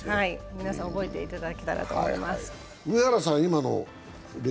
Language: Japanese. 皆さん、覚えていただけたらと思います。